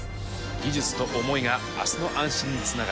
技術と思いが明日の安心につながっていく。